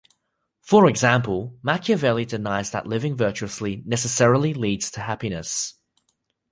For example, Machiavelli denies that living virtuously necessarily leads to happiness.